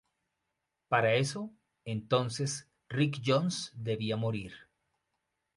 Para eso, entonces, Rick Jones debía morir.